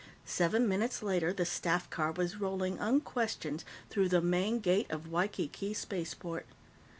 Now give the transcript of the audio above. Seven minutes later, the staff car was rolling unquestioned through the main gate of Waikiki Spaceport.